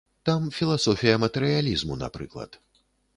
Там філасофія матэрыялізму, напрыклад.